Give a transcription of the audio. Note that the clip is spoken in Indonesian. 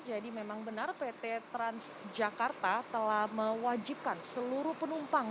jadi memang benar pt transjakarta telah mewajibkan seluruh penumpang